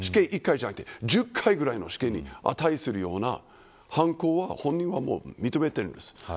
死刑１回ではなくて１０回ぐらいの死刑に値するような犯行は本人は認めているんです。